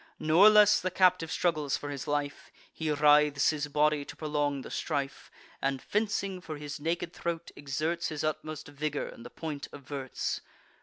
Nor less the captive struggles for his life: He writhes his body to prolong the strife, And, fencing for his naked throat, exerts His utmost vigour, and the point averts.